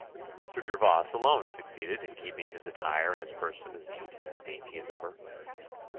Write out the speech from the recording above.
Sir Gervas alone succeeded in keeping his attire and his person as neat and as dainty as ever.